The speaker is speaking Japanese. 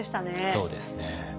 そうですね。